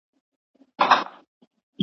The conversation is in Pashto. دا وسايل په يوه شفاف سيستم کي منسجم سول.